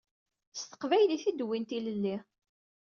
S teqbaylit i d-wwin tilelli.